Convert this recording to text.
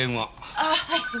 ああっはい！